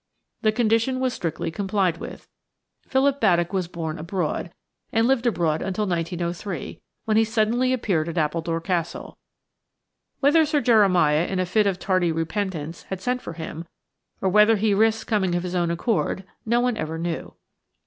The condition was strictly complied with. Philip Baddock was born abroad, and lived abroad until 1903, when he suddenly appeared at Appledore Castle. Whether Sir Jeremiah, in a fit of tardy repentance, had sent for him, or whether he risked coming of his own accord, no one ever knew.